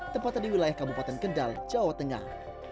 tepatnya di wilayah kabupaten kendal jawa tengah